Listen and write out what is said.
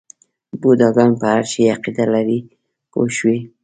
بوډاګان په هر شي عقیده لري پوه شوې!.